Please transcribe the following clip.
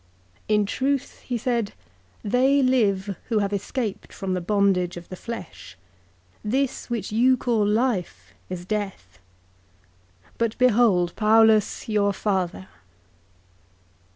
'In truth,' he said, ' they live who have escaped from the bondage of the flesh. This which you call life is death. But behold Paulus your father.'